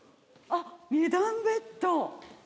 あっ２段ベッド。